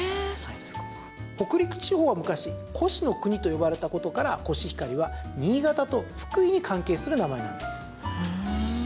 北陸地方は昔越国と呼ばれたことからコシヒカリは、新潟と福井に関係する名前なんです。